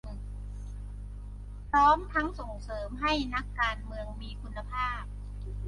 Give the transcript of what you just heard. พร้อมทั้งส่งเสริมให้นักการเมืองมีคุณภาพ